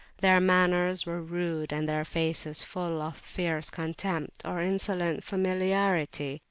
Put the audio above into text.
Their manners were rude, and their faces full of fierce contempt or insolent familiarity.